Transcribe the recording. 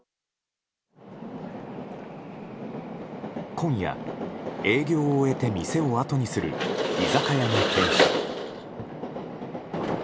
今夜、営業を終えて店をあとにする居酒屋の店主。